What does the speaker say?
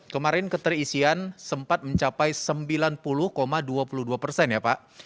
kemarin keterisian sempat mencapai sembilan puluh dua puluh dua persen ya pak